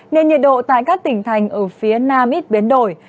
nên nhiệt độ tại các tỉnh thành ở phía nam ít biến đổi